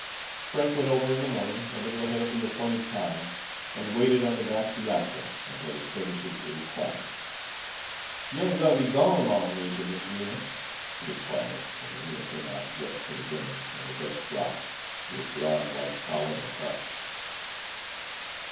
Frank went over in the morning a little ahead of the appointed time, and waited on the back piazza until his services were required. "You ain't gwine ter be gone long, is you, Miss Rena?" he inquired, when Rena came out dressed for the journey in her best frock, with broad white collar and cuffs.